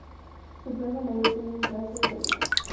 Su Plaza Mayor tiene un trazado irregular.